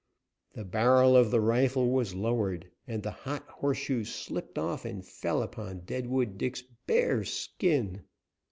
The barrel of the rifle was lowered, and the hot horseshoe slipped off and fell upon Deadwood Dick's bare skin.